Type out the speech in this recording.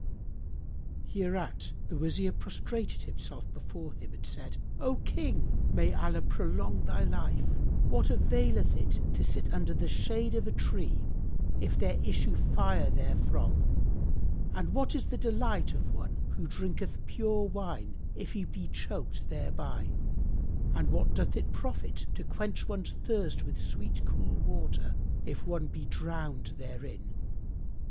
Hereat the Wazir prostrated himself before him and said, "O King, may Allah prolong thy life! What availeth it to sit under the shade of a tree, if there issue fire therefrom, and what is the delight of one who drinketh pure wine, if he be choked thereby, and what doth it profit to quench one's thirst with sweet cool water, if one be drowned therein?